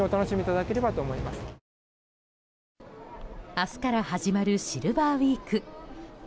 明日から始まるシルバーウィーク。